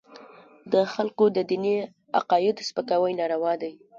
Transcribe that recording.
د خلکو د دیني عقایدو سپکاوي ناروا دی.